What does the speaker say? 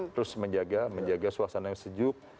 terus menjaga menjaga suasana yang sejuk